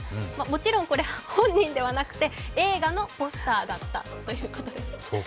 もちろん本人ではなくて映画のポスターだったということです。